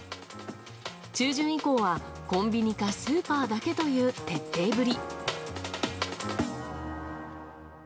中旬以降はコンビニかスーパーだけという徹底ぶり。